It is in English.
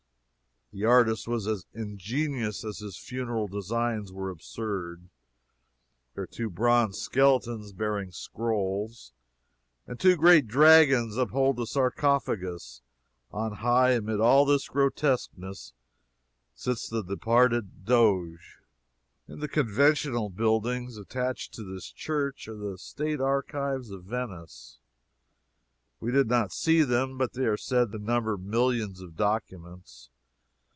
The artist was as ingenious as his funeral designs were absurd. There are two bronze skeletons bearing scrolls, and two great dragons uphold the sarcophagus. On high, amid all this grotesqueness, sits the departed doge. In the conventual buildings attached to this church are the state archives of Venice. We did not see them, but they are said to number millions of documents.